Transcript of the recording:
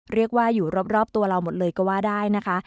เรียกว่าอยู่รอบตัวเราหมดเลยก็ว่าได้นะคะ